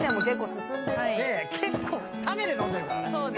結構タメで飲んでるから。